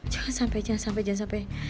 jangan sampe jangan sampe jangan sampe